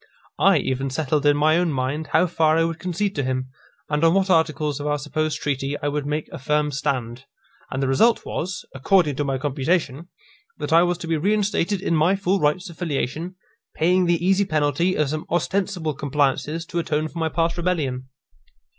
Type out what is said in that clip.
I even settled in my own mind how far I would concede to him, and on what articles of our supposed treaty I would make a firm stand; and the result was, according to my computation, that I was to be reinstated in my full rights of filiation, paying the easy penalty of some ostensible compliances to atone for my past rebellion.